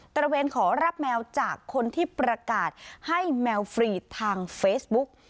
ระเวนขอรับแมวจากคนที่ประกาศให้แมวฟรีทางเฟซบุ๊ก